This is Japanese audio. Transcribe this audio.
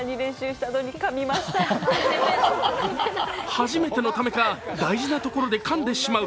初めてのためか、大事なところでかんでしまう。